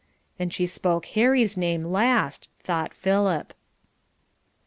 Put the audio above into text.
And she spoke Harry's name last, thought Philip.